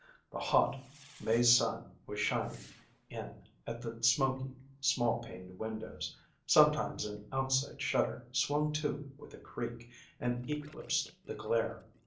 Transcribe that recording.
The hot May sun was shining in at the smoky small paned windows; sometimes an outside shutter swung to with a creak, and eclipsed the glare.